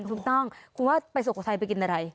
ถูกต้องคุณว่าไปสุโขทัยไปกินอะไร